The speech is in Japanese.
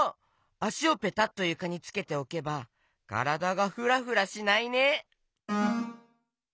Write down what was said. あしをペタッとゆかにつけておけばからだがふらふらしないね。